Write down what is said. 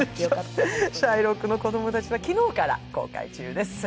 「シャイロックの子供たち」は昨日から公開中です。